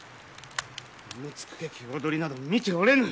むくつけき踊りなど見ておれぬ。